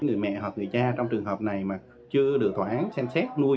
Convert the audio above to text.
người mẹ hoặc người cha trong trường hợp này mà chưa được tòa án xem xét nuôi